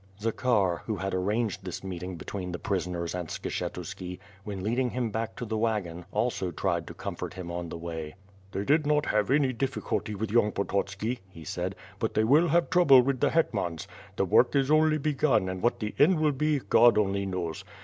Zakhar, who had arranged this meeting between the prison ers and Skshetuski, when leading him back to the wagon, also tried to comfort him on the way. 184 ^^^^^^^^^'^'^'^ ISWORD. "They did not have any difficulty with young Pototski/' he said, "but tliey will have trouble with the hetmans. The work is only begun and what the end will be — God only knows.